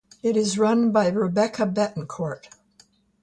It is run by Rebecca Bettencourt.